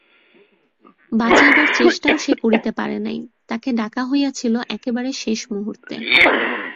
বাচাইবার চেষ্টাও সে করিতে পারে নাই, তাকে ডাকা হইয়াছিল একেবারে শেষমূহুর্তে।